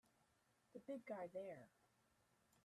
The big guy there!